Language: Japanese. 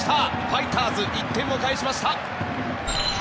ファイターズ１点を返しました。